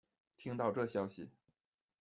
听到这消息